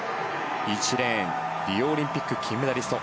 １レーンリオオリンピック金メダリスト